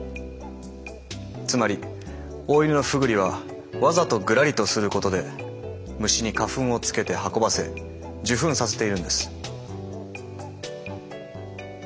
つまりオオイヌノフグリはわざとグラリとすることで虫に花粉をつけて運ばせ受粉させているんです。